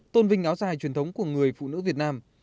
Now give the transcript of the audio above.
tôn vinh áo dài truyền thống của người phụ nữ việt nam